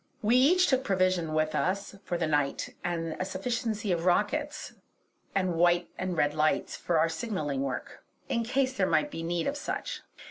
We each took provision with us for the night, and a sufficiency of rockets and white and red lights for our signalling work, in case there might be need of such.